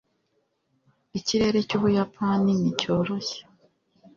ikirere cy'ubuyapani ni cyoroshye